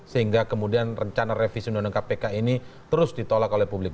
sehingga kemudian rencana revisi undang undang kpk ini terus ditolak oleh publik